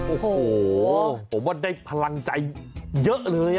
โอ้โหผมว่าได้พลังใจเยอะเลย